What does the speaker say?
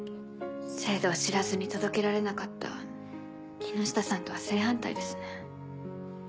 制度を知らずに届けられなかった木下さんとは正反対ですね。